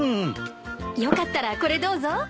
よかったらこれどうぞ。